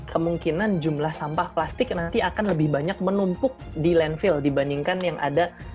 kemungkinan jumlah sampah plastik nanti akan lebih banyak menumpuk di landfill dibandingkan yang ada